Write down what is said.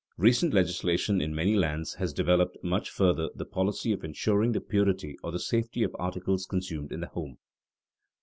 Recent legislation in many lands has developed much further the policy of insuring the purity or the safety of articles consumed in the home.